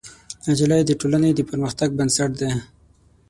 نجلۍ د ټولنې د پرمختګ بنسټ ده.